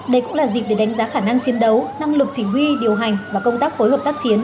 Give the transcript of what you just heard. đây cũng là dịp để đánh giá khả năng chiến đấu năng lực chỉ huy điều hành và công tác phối hợp tác chiến